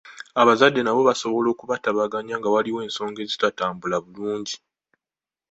Abazadde nabo basobola okubatabaganya nga waliwo ensonga ezitatambula bulungi.